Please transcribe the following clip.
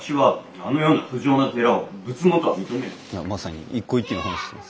あまさに一向一揆の話してます。